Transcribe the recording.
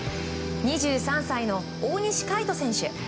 ２３歳の大西魁斗選手。